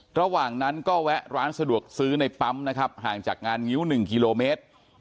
ระหว่างนั้นก็แวะร้านสะดวกซื้อในปั๊มนะครับห่างจากงานงิ้ว๑กิโลเมตร